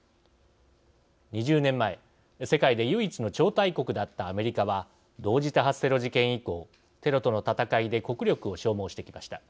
２０年前、世界で唯一の超大国だったアメリカは同時多発テロ事件以降テロとの戦いで国力を消耗してきました。